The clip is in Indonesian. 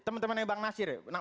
teman temannya bang nasir